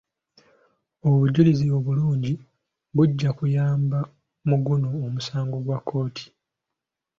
Obujulizi obulungi bujja kuyamba mu guno omusango gwa kkooti.